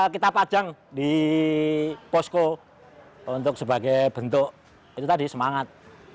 kita pajang di posko untuk sebagai bentuk itu tadi semangat